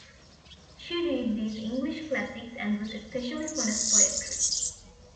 She read these English classics, and was especially fond of poetry.